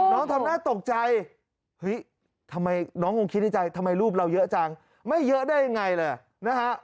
น้องทำหน้าตกใจน้องคงคิดในใจทำไมรูปเราเยอะจังไม่เยอะได้ยังไงเลยนะฮะ